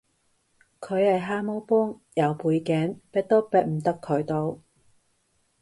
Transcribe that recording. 佢係蛤蟆幫，有背景，逼都逼唔得佢到